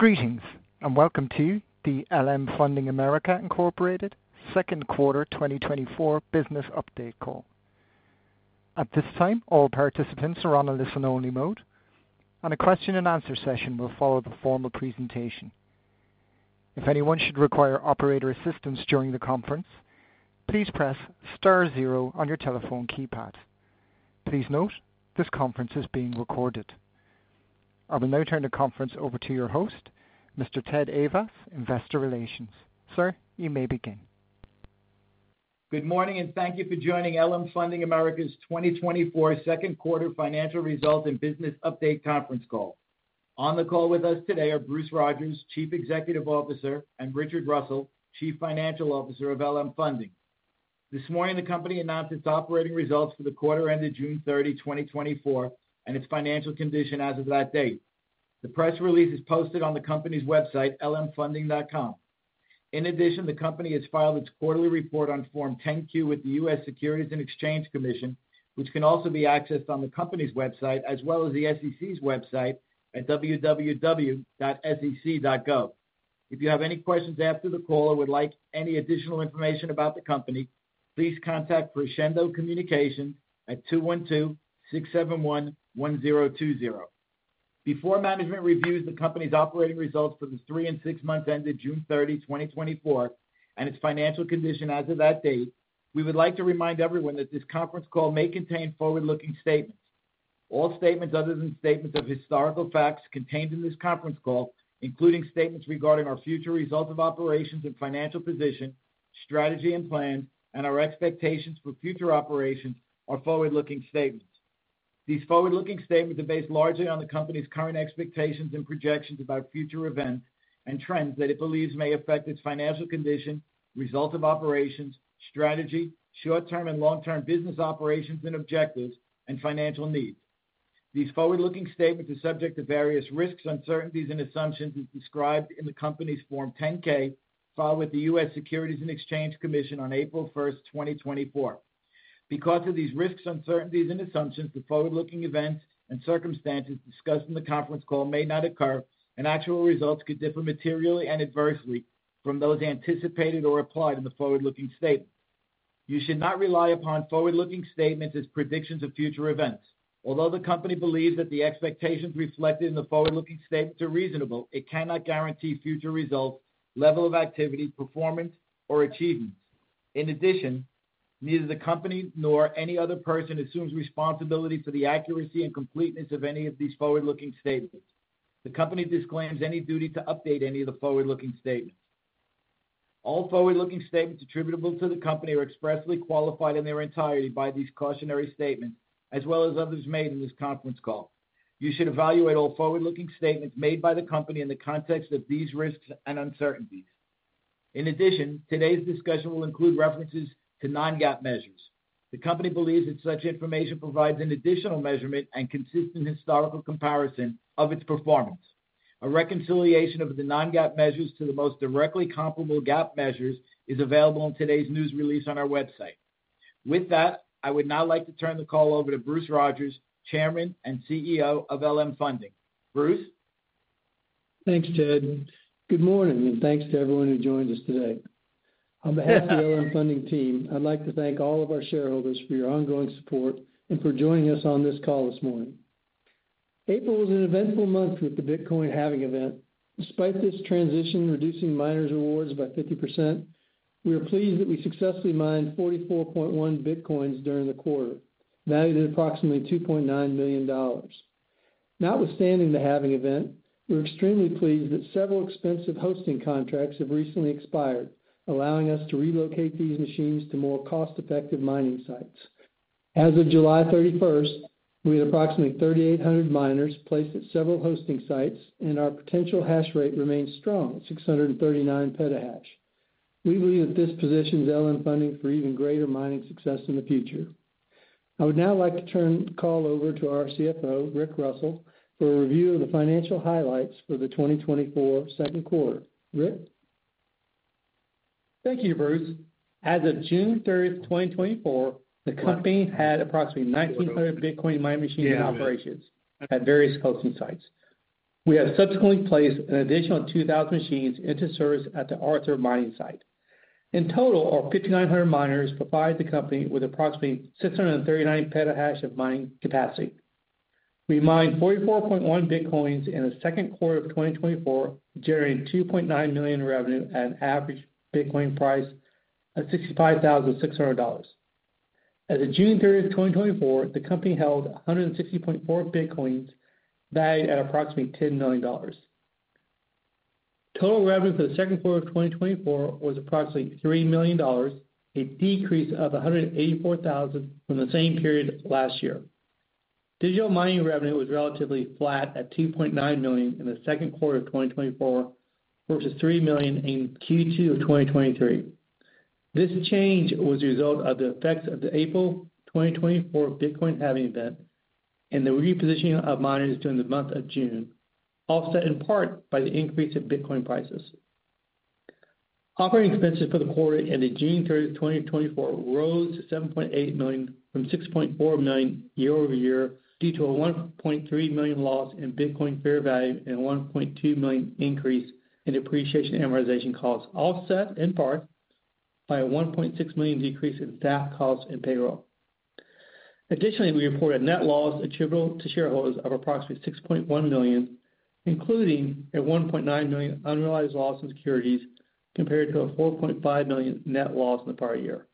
Greetings, and welcome to the LM Funding America Incorporated Second Quarter 2024 Business Update Call. At this time, all participants are on a listen-only mode, and a question-and-answer session will follow the formal presentation. If anyone should require operator assistance during the conference, please press star zero on your telephone keypad. Please note, this conference is being recorded. I will now turn the conference over to your host, Mr. Ted Ayvas, Investor Relations. Sir, you may begin. Good morning, and thank you for joining LM Funding America's 2024 second quarter financial results and business update conference call. On the call with us today are Bruce Rodgers, Chief Executive Officer, and Richard Russell, Chief Financial Officer of LM Funding. This morning, the company announced its operating results for the quarter ended June 30, 2024, and its financial condition as of that date. The press release is posted on the company's website, lmfunding.com. In addition, the company has filed its quarterly report on Form 10-Q with the U.S. Securities and Exchange Commission, which can also be accessed on the company's website, as well as the SEC's website at www.sec.gov. If you have any questions after the call or would like any additional information about the company, please contact Crescendo Communications at 212-671-1020. Before management reviews the company's operating results for the three and six months ended June 30, 2024, and its financial condition as of that date, we would like to remind everyone that this conference call may contain forward-looking statements. All statements other than statements of historical facts contained in this conference call, including statements regarding our future results of operations and financial position, strategy and plan, and our expectations for future operations, are forward-looking statements. These forward-looking statements are based largely on the company's current expectations and projections about future events and trends that it believes may affect its financial condition, results of operations, strategy, short-term and long-term business operations and objectives, and financial needs. These forward-looking statements are subject to various risks, uncertainties, and assumptions as described in the company's Form 10-K, filed with the U.S. Securities and Exchange Commission on April 1, 2024. Because of these risks, uncertainties, and assumptions, the forward-looking events and circumstances discussed in the conference call may not occur, and actual results could differ materially and adversely from those anticipated or applied in the forward-looking statement. You should not rely upon forward-looking statements as predictions of future events. Although the company believes that the expectations reflected in the forward-looking statements are reasonable, it cannot guarantee future results, level of activity, performance, or achievements. In addition, neither the company nor any other person assumes responsibility for the accuracy and completeness of any of these forward-looking statements. The company disclaims any duty to update any of the forward-looking statements. All forward-looking statements attributable to the company are expressly qualified in their entirety by these cautionary statements, as well as others made in this conference call. You should evaluate all forward-looking statements made by the company in the context of these risks and uncertainties. In addition, today's discussion will include references to non-GAAP measures. The company believes that such information provides an additional measurement and consistent historical comparison of its performance. A reconciliation of the non-GAAP measures to the most directly comparable GAAP measures is available in today's news release on our website. With that, I would now like to turn the call over to Bruce Rodgers, Chairman and CEO of LM Funding. Bruce? Thanks, Ted. Good morning, and thanks to everyone who joined us today. On behalf of the LM Funding team, I'd like to thank all of our shareholders for your ongoing support and for joining us on this call this morning. April was an eventful month with the Bitcoin halving event. Despite this transition, reducing miners' rewards by 50%, we are pleased that we successfully mined 44.1 bitcoins during the quarter, valued at approximately $2.9 million. Notwithstanding the halving event, we're extremely pleased that several expensive hosting contracts have recently expired, allowing us to relocate these machines to more cost-effective mining sites. As of July 31, we had approximately 3,800 miners placed at several hosting sites, and our potential hash rate remains strong at 639 petahash. We believe that this positions LM Funding for even greater mining success in the future. I would now like to turn the call over to our CFO, Rick Russell, for a review of the financial highlights for the 2024 second quarter. Rick? Thank you, Bruce. As of June 30, 2024, the company had approximately 1,900 Bitcoin mining machines in operations at various hosting sites. We have subsequently placed an additional 2,000 machines into service at the Arthur Mining site. In total, our 5,900 miners provide the company with approximately 639 petahash of mining capacity. We mined 44.1 bitcoins in the second quarter of 2024, generating $2.9 million in revenue at an average Bitcoin price of $65,600. As of June 30, 2024, the company held 160.4 bitcoins, valued at approximately $10 million. Total revenue for the second quarter of 2024 was approximately $3 million, a decrease of $184,000 from the same period last year. Digital mining revenue was relatively flat at $2.9 million in the second quarter of 2024, versus $3 million in Q2 of 2023. This change was a result of the effects of the April 2024 Bitcoin halving event and the repositioning of miners during the month of June, offset in part by the increase in Bitcoin prices. Operating expenses for the quarter ended June 30, 2024, rose to $7.8 million from $6.4 million year-over-year, due to a $1.3 million loss in Bitcoin fair value and $1.2 million increase in depreciation and amortization costs, offset in part by a $1.6 million decrease in staff costs and payroll. Additionally, we reported net loss attributable to shareholders of approximately $6.1 million, including a $1.9 million unrealized loss in securities compared to a $4.5 million net loss in the prior year.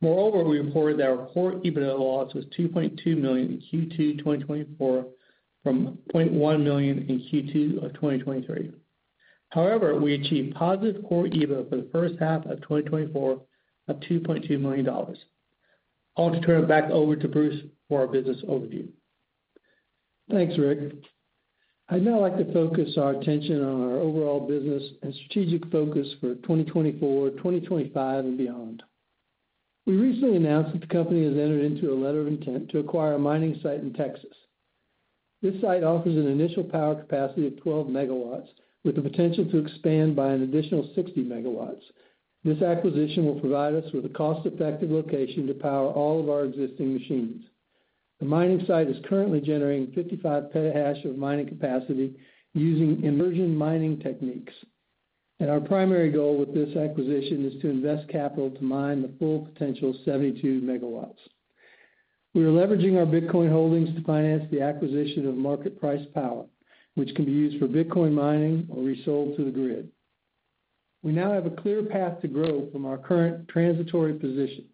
Moreover, we reported that our core EBITDA loss was $2.2 million in Q2 2024 from $0.1 million in Q2 of 2023. However, we achieved positive core EBITDA for the first half of 2024 of $2.2 million. I'll now turn it back over to Bruce for our business overview. Thanks, Rick. I'd now like to focus our attention on our overall business and strategic focus for 2024, 2025, and beyond. We recently announced that the company has entered into a letter of intent to acquire a mining site in Texas. This site offers an initial power capacity of 12 MW, with the potential to expand by an additional 60 MW. This acquisition will provide us with a cost-effective location to power all of our existing machines. The mining site is currently generating 55 petahash of mining capacity using immersion mining techniques, and our primary goal with this acquisition is to invest capital to mine the full potential of 72 MW. We are leveraging our Bitcoin holdings to finance the acquisition of market price power, which can be used for Bitcoin mining or resold to the grid. We now have a clear path to grow from our current transitory position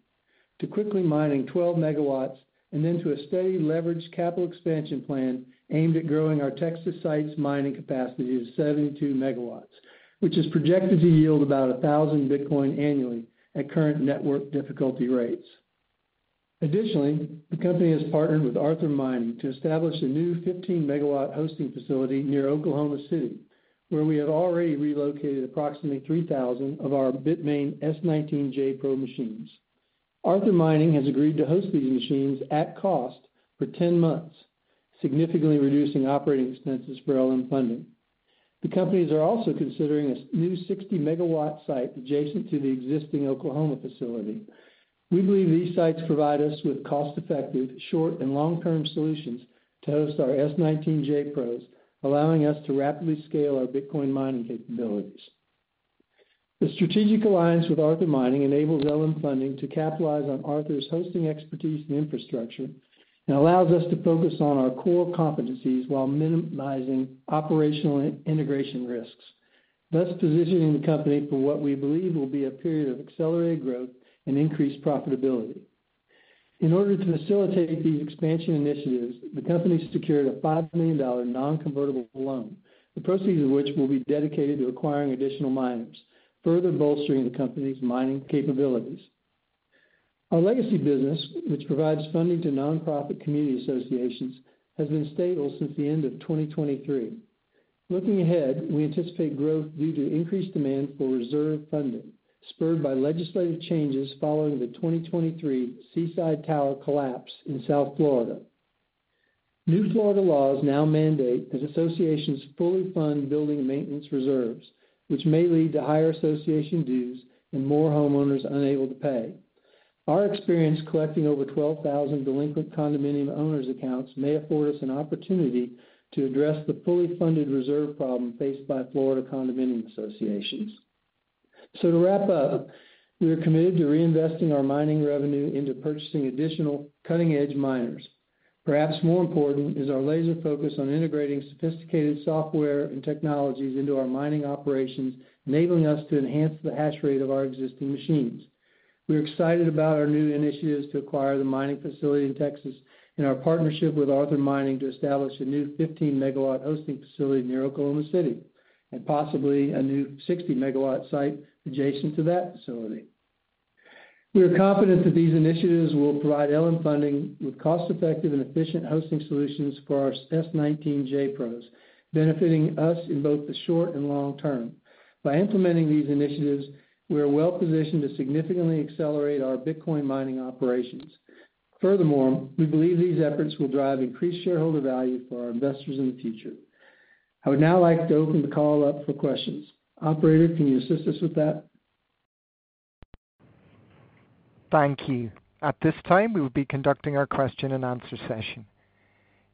to quickly mining 12 megawatts and then to a steady leveraged capital expansion plan aimed at growing our Texas site's mining capacity to 72 megawatts, which is projected to yield about 1,000 Bitcoin annually at current network difficulty rates. Additionally, the company has partnered with Arthur Mining to establish a new 15-megawatt hosting facility near Oklahoma City, where we have already relocated approximately 3,000 of our Bitmain S19j Pro machines. Arthur Mining has agreed to host these machines at cost for 10 months, significantly reducing operating expenses for LM Funding. The companies are also considering a new 60-megawatt site adjacent to the existing Oklahoma facility. We believe these sites provide us with cost-effective, short and long-term solutions to host our S19j Pros, allowing us to rapidly scale our Bitcoin mining capabilities. The strategic alliance with Arthur Mining enables LM Funding to capitalize on Arthur's hosting expertise and infrastructure, and allows us to focus on our core competencies while minimizing operational and integration risks, thus positioning the company for what we believe will be a period of accelerated growth and increased profitability. In order to facilitate these expansion initiatives, the company secured a $5 million non-convertible loan, the proceeds of which will be dedicated to acquiring additional miners, further bolstering the company's mining capabilities. Our legacy business, which provides funding to nonprofit community associations, has been stable since the end of 2023. Looking ahead, we anticipate growth due to increased demand for reserve funding, spurred by legislative changes following the 2023 Surfside Tower collapse in South Florida. New Florida laws now mandate that associations fully fund building and maintenance reserves, which may lead to higher association dues and more homeowners unable to pay. Our experience collecting over 12,000 delinquent condominium owners' accounts may afford us an opportunity to address the fully funded reserve problem faced by Florida condominium associations. To wrap up, we are committed to reinvesting our mining revenue into purchasing additional cutting-edge miners. Perhaps more important is our laser focus on integrating sophisticated software and technologies into our mining operations, enabling us to enhance the hash rate of our existing machines. We're excited about our new initiatives to acquire the mining facility in Texas and our partnership with Arthur Mining to establish a new 15-megawatt hosting facility near Oklahoma City, and possibly a new 60-megawatt site adjacent to that facility. We are confident that these initiatives will provide LM Funding with cost-effective and efficient hosting solutions for our S19j Pros, benefiting us in both the short and long term. By implementing these initiatives, we are well-positioned to significantly accelerate our Bitcoin mining operations. Furthermore, we believe these efforts will drive increased shareholder value for our investors in the future. I would now like to open the call up for questions. Operator, can you assist us with that? Thank you. At this time, we will be conducting our question-and-answer session.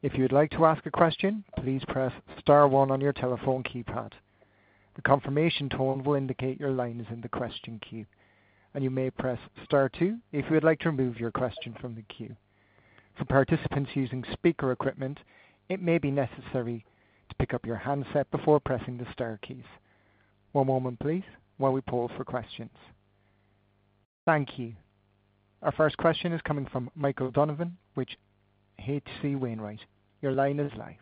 If you'd like to ask a question, please press star one on your telephone keypad. The confirmation tone will indicate your line is in the question queue, and you may press star two if you would like to remove your question from the queue. For participants using speaker equipment, it may be necessary to pick up your handset before pressing the star keys. One moment, please, while we poll for questions. Thank you. Our first question is coming from Michael Donovan with H.C. Wainwright. Your line is live.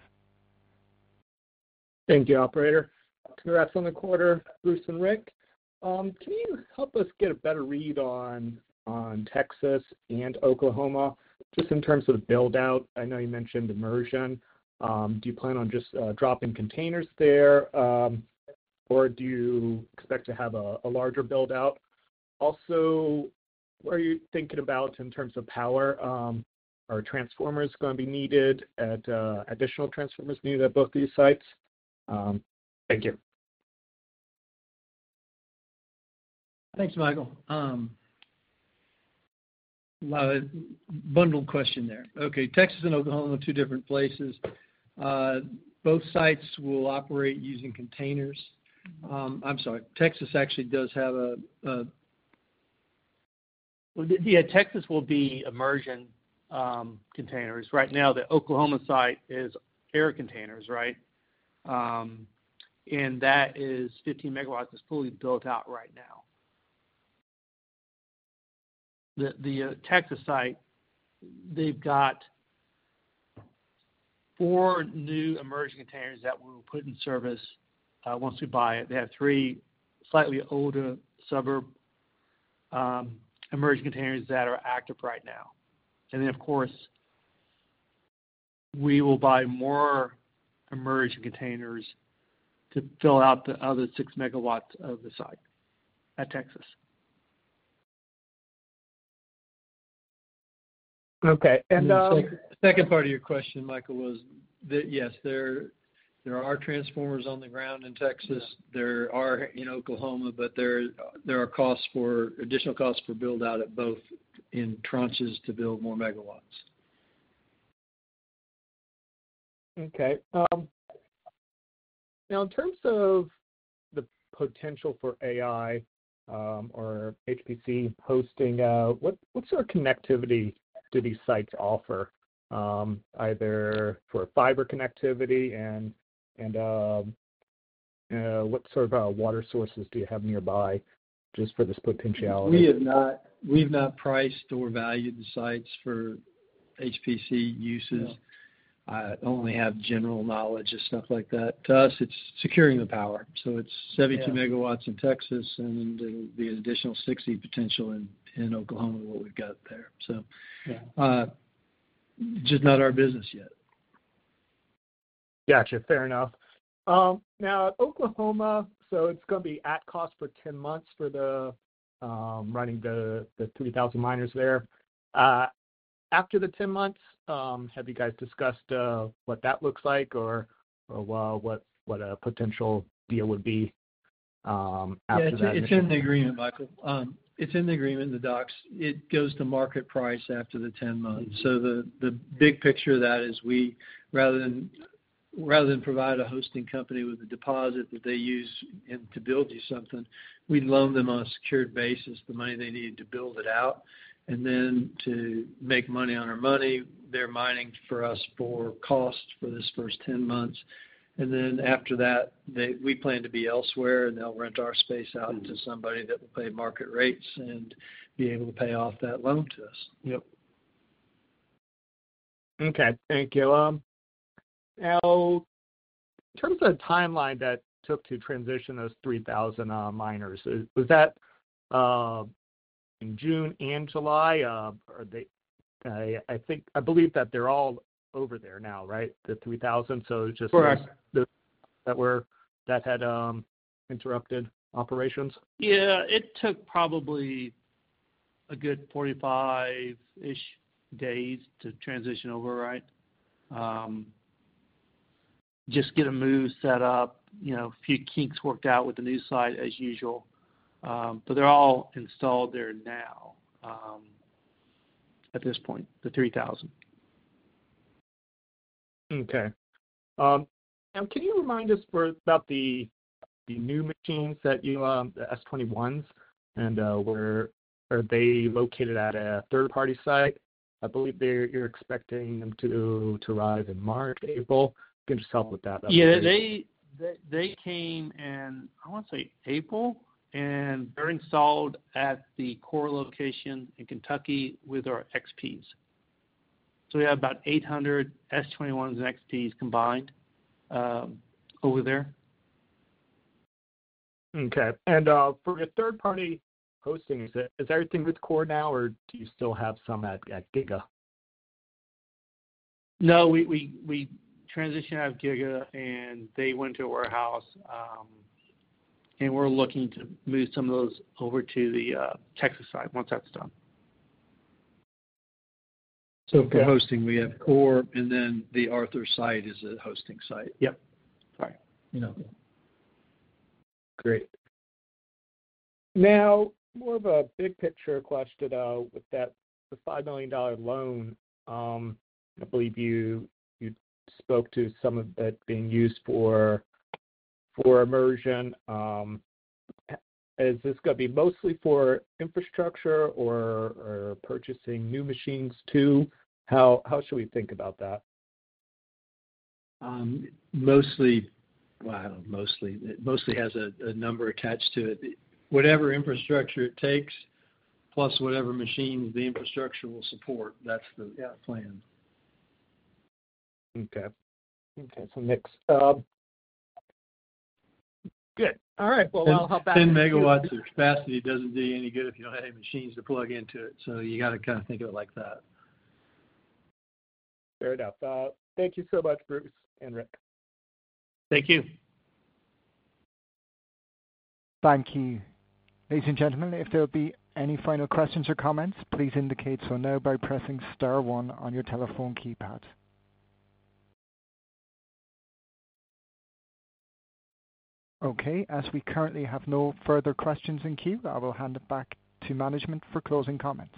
Thank you, operator. Congrats on the quarter, Bruce and Rick. Can you help us get a better read on Texas and Oklahoma, just in terms of build-out? I know you mentioned immersion. Do you plan on just dropping containers there, or do you expect to have a larger build-out? Also, what are you thinking about in terms of power? Are additional transformers needed at both these sites? Thank you. Thanks, Michael. A lot of bundled question there. Okay. Texas and Oklahoma, two different places. Both sites will operate using containers. I'm sorry. Texas actually does have. Well, yeah, Texas will be immersion containers. Right now, the Oklahoma site is air containers, right? And that is 15 megawatts. It's fully built out right now. The Texas site, they've got 4 new immersion containers that we'll put in service once we buy it. They have 3 slightly older submerged immersion containers that are active right now. And then, of course, we will buy more immersion containers to fill out the other 6 megawatts of the site at Texas. Okay, and— The second part of your question, Michael, was that, yes, there are transformers on the ground in Texas. There are in Oklahoma, but there are costs for additional costs for build-out at both in tranches to build more megawatts. Okay. Now, in terms of the potential for AI, or HPC hosting, what sort of connectivity do these sites offer, either for fiber connectivity and what sort of water sources do you have nearby just for this potentiality? We've not priced or valued the sites for HPC uses. Yeah. I only have general knowledge of stuff like that. To us, it's securing the power. Yeah. So it's 72 megawatts in Texas and the additional 60 potential in Oklahoma, what we've got there. So- Yeah. Just not our business yet. Gotcha. Fair enough. Now, Oklahoma, so it's gonna be at cost for 10 months for running the 3,000 miners there. After the 10 months, have you guys discussed what that looks like or well what a potential deal would be after that? Yeah, it's in the agreement, Michael. It's in the agreement, the docs. It goes to market price after the ten months. So the big picture of that is we, rather than provide a hosting company with a deposit that they use and to build you something, we loan them on a secured basis, the money they need to build it out. And then to make money on our money, they're mining for us for cost for this first ten months. And then after that, they. We plan to be elsewhere, and they'll rent our space out to somebody that will pay market rates and be able to pay off that loan to us. Yep. Okay, thank you. Now, in terms of the timeline that took to transition those 3,000 miners, was that in June and July? Are they—I think—I believe that they're all over there now, right? The 3,000. So just- Correct. That were -- that had interrupted operations. Yeah, it took probably a good 45-ish days to transition over, right? Just get a move set up, you know, a few kinks worked out with the new site as usual. But they're all installed there now, at this point, the 3,000. Okay. Now, can you remind us for about the new machines that you, the S21s, and where are they located at a third-party site? I believe they're you're expecting them to arrive in March, April. Give us help with that. Yeah, they came in, I want to say, April, and they're installed at the Core location in Kentucky with our XPs. So we have about 800 S21s and XPs combined, over there. Okay. For the third-party hosting, is everything with Core now, or do you still have some at Giga? No, we transitioned out of Giga, and they went to a warehouse, and we're looking to move some of those over to the Texas site once that's done. So for hosting, we have Core, and then the Arthur site is a hosting site. Yep. Right. You know me. Great. Now, more of a big picture question, with that, the $5 million loan, I believe you, you spoke to some of that being used for, for immersion. Is this gonna be mostly for infrastructure or, or purchasing new machines, too? How, how should we think about that? Mostly, well, mostly, it mostly has a number attached to it. Whatever infrastructure it takes, plus whatever machines the infrastructure will support, that's the plan. Okay. Okay, so next... Good. All right, well, I'll hop back- 10 megawatts of capacity doesn't do you any good if you don't have any machines to plug into it, so you got to kind of think of it like that. Fair enough. Thank you so much, Bruce and Rick. Thank you. Thank you. Ladies and gentlemen, if there'll be any final questions or comments, please indicate so now by pressing star one on your telephone keypad. Okay, as we currently have no further questions in queue, I will hand it back to management for closing comments.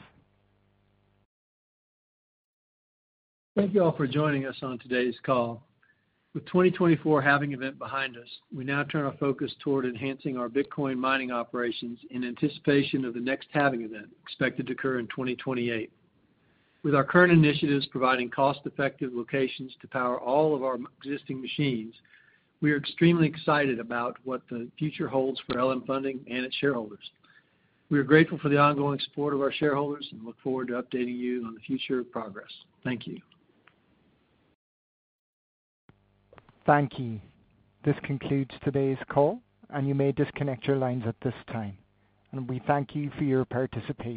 Thank you all for joining us on today's call. With 2024 halving event behind us, we now turn our focus toward enhancing our Bitcoin mining operations in anticipation of the next halving event, expected to occur in 2028. With our current initiatives providing cost-effective locations to power all of our existing machines, we are extremely excited about what the future holds for LM Funding and its shareholders. We are grateful for the ongoing support of our shareholders and look forward to updating you on the future progress. Thank you. Thank you. This concludes today's call, and you may disconnect your lines at this time, and we thank you for your participation.